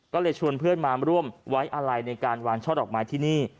ก็เลยชวนเพื่อนมาร่วมไว้อะไรในการวางช่อดอกไม้ที่นี่